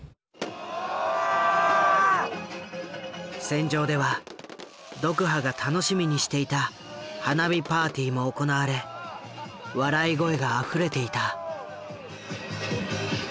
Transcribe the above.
船上ではドクハが楽しみにしていた花火パーティーも行われ笑い声があふれていた。